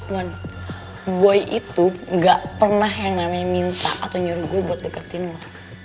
mony boy itu gak pernah yang namanya minta atau nyuruh gue buat deketin gue